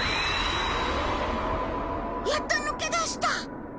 やっと抜け出した。